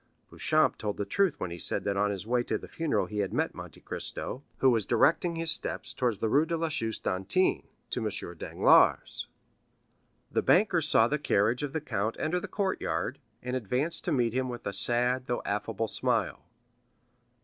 Beauchamp told the truth when he said that on his way to the funeral he had met Monte Cristo, who was directing his steps towards the Rue de la Chaussée d'Antin, to M. Danglars'. The banker saw the carriage of the count enter the courtyard, and advanced to meet him with a sad, though affable smile.